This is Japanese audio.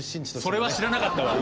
それは知らなかったわ。